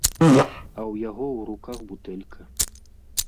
А ў яго ў руках бутэлька.